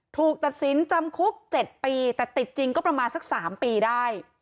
ถูกตัดสินจำคุก๗ปีแต่ติดจริงก็ประมาณสัก๓ปีได้